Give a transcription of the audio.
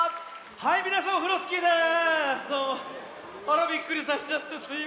はいみなさんオフロスキーです。